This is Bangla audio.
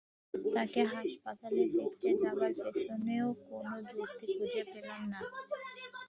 তাকে হাসপাতালে দেখতে যাবার পিছনেও কোনো যুক্তি খুঁজে পেলাম না।